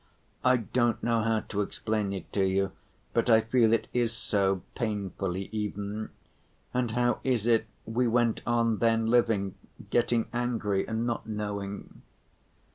I don't know how to explain it to you, but I feel it is so, painfully even. And how is it we went on then living, getting angry and not knowing?"